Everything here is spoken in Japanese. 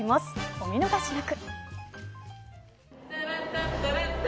お見逃しなく。